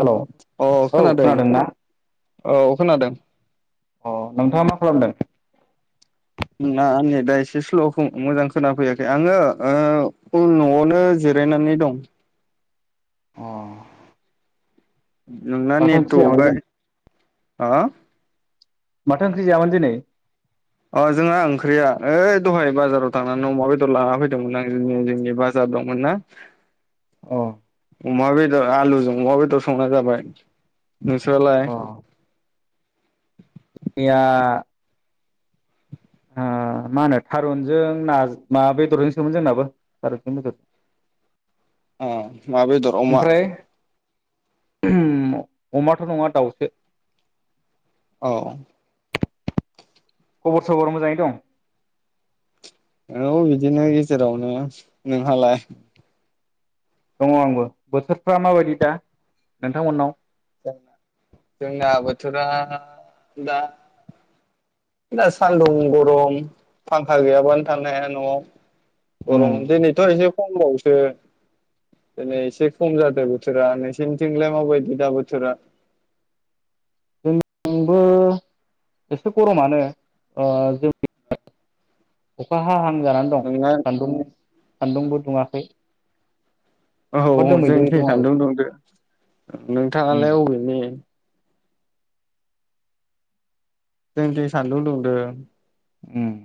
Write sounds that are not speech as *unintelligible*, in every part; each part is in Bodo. हेलौ औ अ खोनादों औ खोनादों। अ नोंथाङा मा खालामदों? नोंना नेडा एसे स्ल खोमा मोजां खोनाफैयाखै आङो नआवनो जिरायनानै दं। अ नोंना माथो ओंख्रि जायामोन नेट्रगा दिनै आ माथो ओंख्रि जायामोन दिनै? अ जोंहा ओंख्रिया ओइ दहाय बाजाराव थांनानै अमा बेदर लाना फैदोंमोन आं जोंनि बाजार दंमोन ना। अ अमा बेदर आलुजों अमा बेदर संनाय जाबाय नोंस्रालाय? गैया ओ माहोनो थारुनजों नाजो मा बेदरजों सोमोन जोंनाबो थारुनजों बेदर। अ मा बेदर अमा? ओमफ्राय *unintelligible* अमाथ' नङा दाउसो । अ खबर सबर मोजाङै दं? औ बिदिनो गेजेरावनो । नोंहालाय? दङ आंबो बोथोरफ्रा माबायदि दा नोंथांमोननाव? जोंना जोंना बोथोरा आ दा दा सान्दुं गरम फांखा गैयाबानो थानो हाया न'आव । उम गरम दिनैथ' एसे खमबावसो । दिनै एसे खम जादों बोथोरा नोंसिनिथिंलाय माबायदि दा बोथोरा? थिंबो एसे गरमानो ओ *unintelligible* अखा हा हां जानानै दं नोंना सान्दुं सान्दुंबो दुङाखै । औ औ जोंनिथिं दं आरो सान्दुं दुंदो उम नोंथांङालाय अबेनि? जोंनिथि सान्दुं दुंदों । उम्म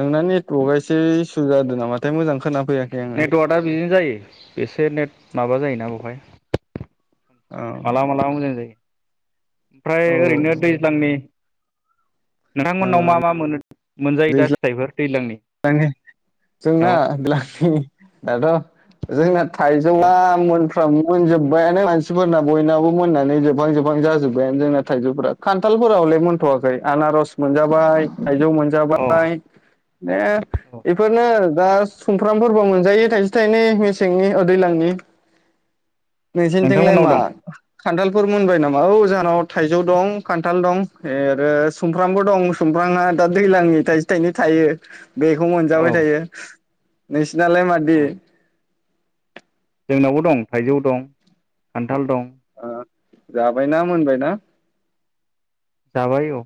नोंना नेत्रका एसे इस सु जादों नामाथाय मोजां खोना नेटवार्कआ बिदिनो जायो एसे नेट माबा जायोना बेवहाय? सम औ सम मालाबा मालाबा मोजां जायो । ओमफ्राय औ ओरैनो दैज्लांनि ओ नोंथांमोननाव मा मा मोनो? मोनजायो दा फिथाइफोर दैज्लांनि माने जोंना औ *unintelligible* दाथ' जोंना थाइजौआ अ मोन मोनजोब्बायानो मानसिफोरना बयनाबो मोननानै जोबहां जोबहां जाजोब्बायानो जोंना थाइजौफोरा खान्थालफोर हले मोनथवाखै आनारस मोनजाबाय थाइजौ मोनजाबाय । बे-बेफोरनो ओ दा सुमफ्रामफोरबो मोनजायो थाइसे थाइनै मेसेंनि ओ दैज्लांनि । नोंसिनिथिंलाय नोंथांमोननाव मा दं खान्थालफोर मोनबाय नामा? औ जाहानाव थाइजौ दं खान्थाल दं ए आरो सुमफ्रामबो दं सुमफ्रांङा दं दैज्लांनि थाइसे थाइनै थायो । *inaudible* बेखौ औ मोनजाबाय थायो। नि नालाय मादि औ जोंनावबो दं थाइजौ दं खान्थाल दं ओ जाबायना मोनबायना? जाबाय औ।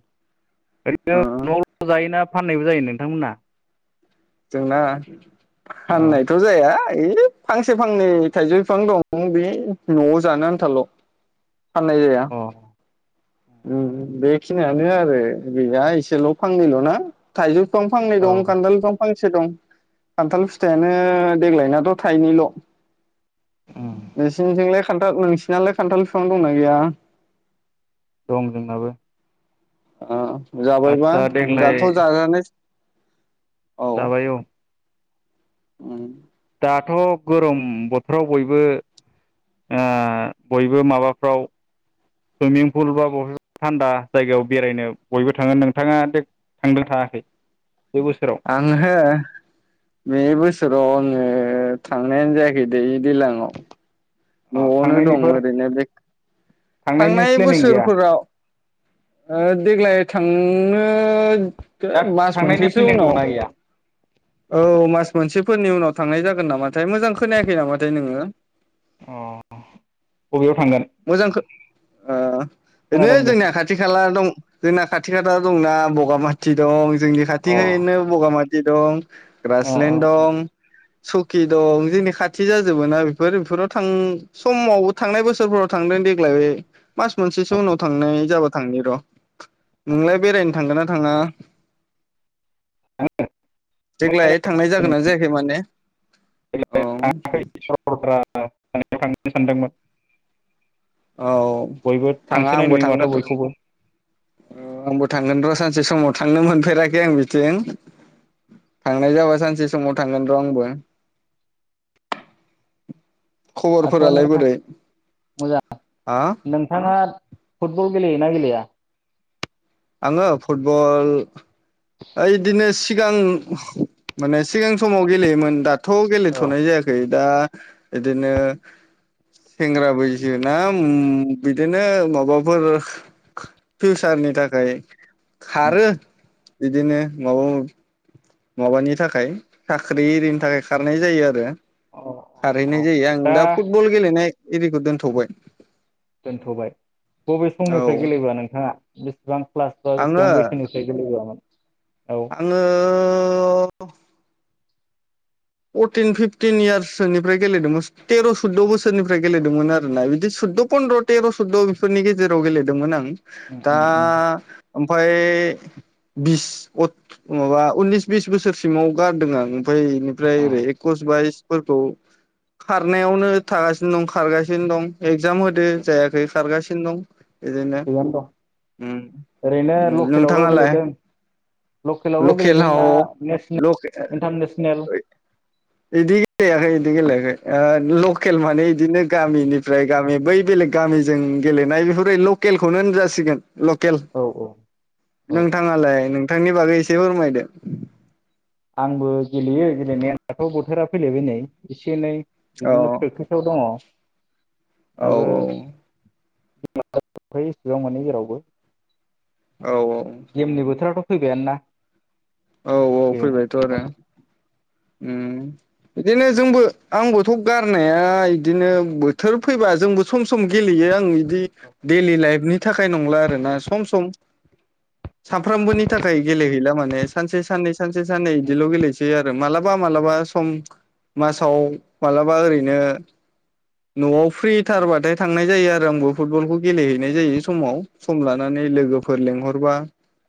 ओ ओरैनो नाव जायोना फाननायबो जायो नोंथांमोना जोंना औ फाननायथ जाया फांसे फांनै थाइजौ बिफां दं बे न'आव जानो आन्थाल' फाननाय जाया अ उम बेखिनियानो आरो गैया इसेल फांनैलना थाइजौ बिफां फांनै औ दं खान्दाल बिफां फांस एसे दं खान्थाल फिथाइयानो देग्लायनाथ थाइनैल उम नोंसिनिथिंनो खान्थाल नोंसिनालाय खान्थाल फिफां दंना गैया? दं जोंनाबो आ जाबायबा आदसा देग्लाय दाथ जाजानाय जाबाय औ उम दाथ' गरम बोथोराव बयबो ओ बयबो माबाफ्राव सुइमिं फुल बा बबेबा थान्दा जायगायाव बेरायनो बयबो थाङो नोंथाङा थांदों थाङाखै? बे बोसोराव आंहो बे बोसोराव आङो थांनायानो जायाखै दै दैलाङाव अ न'आवनो दं थांनायनिफोर ओरैनो बे थांनायनि थांनाय प्लेनिं गैया बोसोरफोराव ओ देग्लाय थांनो दा मास थांनायनि मोनसेसो प्लेनिं उनाव दंना गैया औ मास मोनसे फोरनि उनाव थांनाय जागोन नामाथाय मोजां खोनायाखै नामाथाय नोङो? अ बबेयाव थांगोन मोजांखो ओ नो खोनादों दे जोंनिया खाथि खाला दं जोंना खाथि खाथा दंना बगामाथि दं जोंनि अ खाथिहायनो बगामाथि दं अ ग्रासलेण अ दं। सकि दं जोंनि खाथि जाजोबो ना बेफोर बेफोराव थां समाव थांनाय बोसोरफ्राव थांदों देग्लाय मास मोनसेसो उनाव थांनाय जाबा थांनि र नोंलाय बेरायनो थांगोन ना थाङा? देग्लाय थांनाय जागोना जायाखै माने औ थांनो थांनो सानदोंमोन औ बयबो थाङा थांसोनाय आंबो नुयो माथो थांगोन र बयखौबो आंबो थांगोन र सानसे । सानसे समाव थांनो मोनफेराखै आं बिथिं थांनाय जाबा सानसे समाव थांगोन र आंबो। आदसा खबरफोरालाय नोंथां बोरै मोजां हा नोंथाङा फुटबल गेलेयोना गेलेया? आङो फुटबल ओ बिदिनो सिगां माने सिगां समाव गेलेयोमोन दा थ औ गेलेथनाय जायाखै दा बिदिनो सेंग्रा बैसोना उम बिदिनो माबाफोर फिउसारनि थाखाय खारो अ । बिदिनो माबा माबानि थाखाय साख्रि एरिनि थाखाय खारनाय जायो आरो अ खारहैनाय जायो आं दा फुटबल गेलेनाय इरिखौ दोनथबाय। दोनथबाय बबे औ समनिफ्राय गेलेबोआ नोंथाङा बेसेबां क्लास बा आङो बेसेबां बैसोनिफ्राय गेलेबोआमोन? औ आङो फरटिन फिफटिन इयारसोनिफ्राय गेलेदोंमोन तेर सैद बोसोरनिफ्राय गेलेदोंमोन आरोना बिदि सुद्द पन्द्र तेर सुद्द बिफोरनि गेजेराव गेलेदोंमोन आं। उम दा उम उम ओमफ्राय बिस अथ माबा उननिस बिस बोसोरसिमाव गारदों आं ओमफ्राय ओमफ्राय अ ओरै एकस बाइसफोरखौ खारनायावनो थागासिनो दं खारगासिनो दं एकजाम होदों जायाखै खारगासिनो दं। बिदिनो थिगानो दं उम ओरैनो लकेलावल नोंथाङालाय गेलेदों लकेलावल लकेलाव गेलेदोंना नेसनेल इन्टारनेसनेल बिदि गेलेयाखै बिदि गेलेयाखै लकेल माने बिदिनो गामिनिफ्राय गामि बै बेलेग गामिजों गेलेनाय बेफोर लकेलखौनो होनजासिगोन। लकेल औ औ औ नोंथाङालाय नों नोंथांनि बागै एसे फोरमायदो। आंबो गेलेयो गेलेनायाथ बोथोरा फैलायबाय नै एसे एनै औ बिदिनो प्रेक्टिसाव दङ औ दाबो बि इसेबां मोनो जेरावबो औ औ। गेमनि बोथोराथ' फैबायानो ना। औ औ फैबायथ' आरो गेलेनांसिगोनलाय उम। बिदिनो जोंबो आंबोथ' गारनाया बिदिनो बोथोर फैबा जोंबो सम सम गेलेयो आं बिदि दैलि लाइफनि थाखाय नंला आरोना सम सम सामफ्रामबोनि थाखाय गेलेहैला। सानसे साननै सानसे साननै बिदिल' गेलेसै आरो। मालाबा मालाबा सम मासाव मालाबा ओरैनो न'आव फ्रि थारबाथाय थांनाय जायो आरो आंबो फुटबल खौ गेलेहैनाय जायो समाव सम लानानै लोगोफोर लेंहरबा।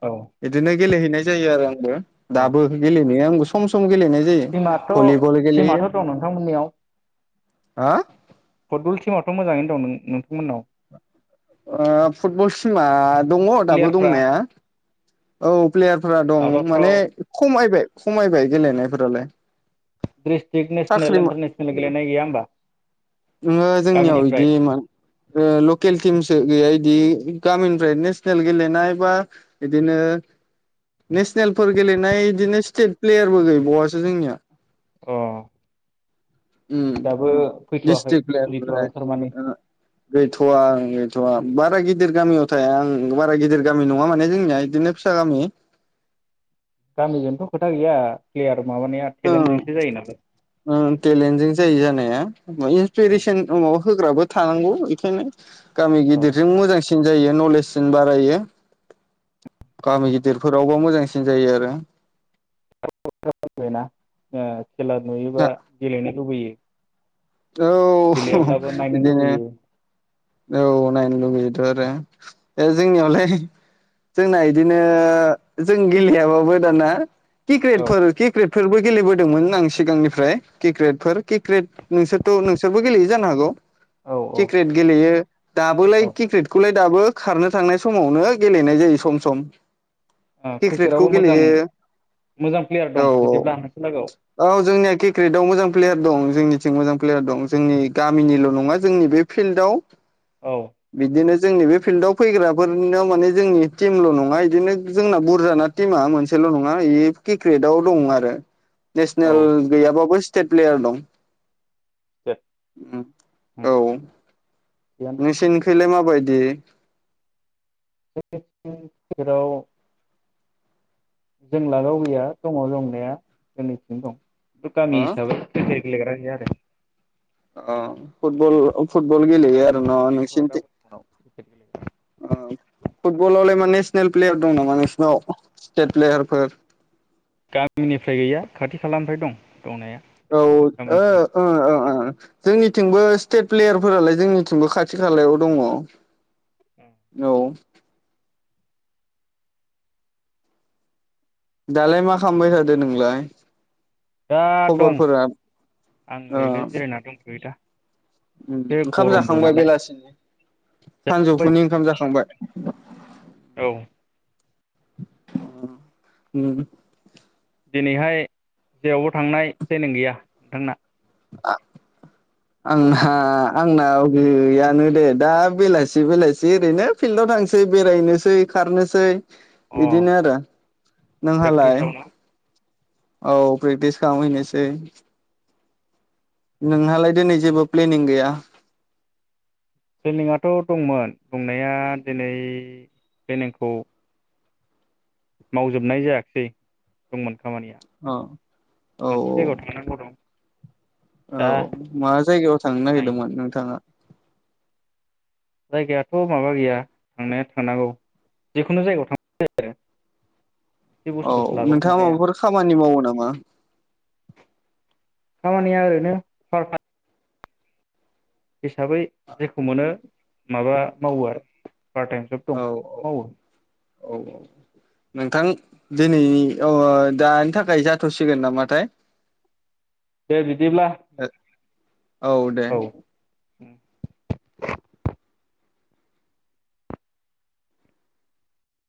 औ बिदिनो गेलेहैनाय जायो आरो आं। *unintelligible* औ दाबो गेलेनाया आंबो सम सम गेलेनाय जायो टिमाथ' भलिबल गेलेयो टिमाथ' दं नोंथांमोननियाव हो? फुटबल टिमाथ' मोजाङैनो दं नों नोंथांमोननाव? आ फुटबल टिमा दङ दाबो प्लेयारफ्रा दंनाया। औ प्लेयारफ्रा दं माने माबाफ्राव खमायबाय खमायबाय गेलेनाय फोरालाय? डिस्ट्रिक नेसनेल साख्रि मो इन्टारनेसनेल गेलेनाय गैया होमबा ओंहो जोंनियाव गामिनिफ्राय इदि मोन ओ ल'केल टिमसो गैया इ बिदि गामिनिफ्राय नेसनेल गेलेनाय बा बिदिनो नेसनेलफोर गेलेनाय बिदिनो स्टेट प्लेयारबो गैबावासो जोंनिया। अ उम दाबो फैथ'वाखै ड्रिस्ट्रिक्ट प्लेयारफोरालाय फैथ'वाखै थारमाने ओ गैथ'वा। थ'आ बारा गिदिर गामियाव थाया आं बारा गिदिर गामि नङा माने जोंनिया बिदिनो फिसा गामि। गामिजोंथ' खोथा गैया प्लेयार माबानाया ओं टेलेन्टजोंसो जायो नालाय ओं टेलेन्टजों जायो जानाया इन्सपिरेसन *unintelligible* होग्राबो थानांगौ एखायनो। गामि औ गिदिरजों मोजांसिन सिन जायो नलेजसिन बारायो गामि गिदिरफोरावबा मोजांसिन जायो आरो। *unintelligible* ओ खेला नुयोबा गेलेनो लुबैयो। औ गेलेयाब्लाबो नायनो बिदिनो लुबैयो औ नायनो लुबैयोथ' आरो ओ जोंनियावलाय जोंना इदिनो जों गेलेयाबाबो दाना क्रिक्रेट औ फोर क्रिकेट फोरबो गेलेबोदोंमोन आं सिगांनिफ्राय क्रिकेटफोर क्रिकेट नोंसोरथ' नोंसोरबो गेलेयो जानो हागौ। औ औ क्रिकेट गेलेयो दाबोलाय औ क्रिकेटखौलाय दाबो खारनो थांनाय समावनो गेलेनाय जायो सम सम क्रिकेटखौ क्रिकेटआवबो मोजां गेलेयो मोजां प्लेयार औ दं औ बिदिब्ला नोंसोर लागोआव औ जोंनिया क्रिकेटआव मोजां प्लेयार दं जोंनि मोजां प्लेयार दं जोंनि गामिनिल नङा जोंनि बे फिल्डआव औ बिदिनो जोंनि बे फिल्डआव फैग्राफोरनाव माने जोंनि टिमल' नङा बिदिनो जोंना बुरजाना टिमा मोनसेल' नङा ब ए क्रिकेटाव दं आरो औ नेसनेल गैयाबाबो स्टेट प्लेयार दं। दे उम औ थिगानो दं नोंसिनिखैलाय मा बायदि *unintelligible* फोराव जों लागोआव गैया दङ दंनाया जोंनिथिं दं। थु गामि अ हिसाबै क्रिकेट गेलेग्रा गैया आरो आ फुटबल आव फुटबल गेलेयो आरो न गामिनिफ्राय गैथ'आ दा नोंसिनिथिं बर्थमानाव क्रिकेट गेलेग्रा आ फुटबलावलाय माने प्लेयार दं नामा नोंसिनाव स्टेट प्लेयार फोर गामिनिफ्राय गैया खाथि खालानिफ्राय दं। दंनाया औ ओ गामिनिफ्राय ओ ओ जोंनिथिंबो स्टेट प्लेयारफोरालाय जोंनिथिंबो खाथि खालायाव दङ। औ दालाय मा खालामबाय थादो नोंलाय? दा दं खबरफोरा आं ओ ओरैनो जिरायना दंथयो दा। एसे ओंखाम गरमबो जाखांबाय नालाय बेलासिनि सानजौफुनि ओंखाम जाखांबाय औ *inaudible* दिनैहाय जेरावबो थांनाय फ्लेनिं गैया नोंथांना? आ‌ आंहा आंना गैयानो दे दा बेलासि बेलासि ओरैनो फिल्डाव थांसै बेरायनोसै खारनोसै अ बिदिनो आरो नोंहालाय प्रेक्टिसाव ना औ प्रेक्टिस खामहैनोसै नोंहालाय दिनै जेबो प्लेनिं गैया? प्लेनिंआथ दंमोन दंनाया दिनै प्लेनिंखौ मावजोबनाय जायाखसै दंमोन खामानिया औ औ मोनसे जायगायाव थांनांगौ दं। औ दा मा जायगायाव थांनो नागिरदोंमोन नोंथाङा? जायगायाथ माबा गैया थांनाया थनांगौ जिखुनु जायगायाव थां ज आरो मोनसे औ बुस्थुसो लाबोगोन नोंथाङा नालाय आं माबाफोर खामानि मावो नामा। खामानिया ओरैनो पारताम। हिसाबै जेखौ मोनो माबा मावो आरो पार्ट टाइम जब औ दं बेखौ मावो औ औ नोंथां दिनैनि दानि थाखाय जाथसिगोन नामाथाय दे बिदिब्ला। औ दे। उम।